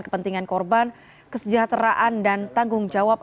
kepentingan korban kesejahteraan dan tanggung jawab